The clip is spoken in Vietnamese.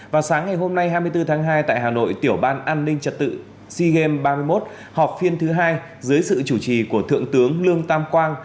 vào sáng ngày hôm nay hai mươi bốn tháng hai tại hà nội tiểu ban an ninh trật tự sea games ba mươi một họp phiên thứ hai dưới sự chủ trì của thượng tướng lương tam quang